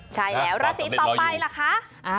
ใช่แล้วราศีต่อไปล่ะคะ